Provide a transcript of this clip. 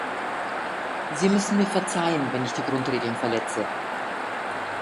Sie müssen mir verzeihen, wenn ich die Grundregeln verletze.